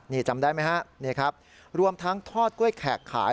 นี่จำได้ไหมฮะนี่ครับรวมทั้งทอดกล้วยแขกขาย